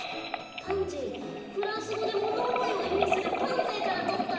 パンジーフランスごでものおもいをいみするパンゼーからとった。